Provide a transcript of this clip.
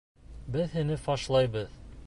Беҙ һине фашлайбыҙ!